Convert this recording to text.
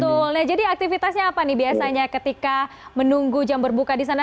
betul jadi aktivitasnya apa nih biasanya ketika menunggu jam berbuka di sana